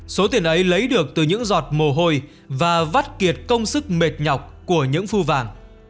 số tiền ấy lấy được từ những giọt mồ hôi và vắt kiệt công sức mệt nhọc của những phu vàng